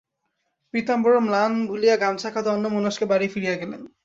পীতাম্বর স্নান ভুলিয়া গামছা-কাঁধে অন্যমনস্কে বাড়ি ফিরিয়া গেলেন।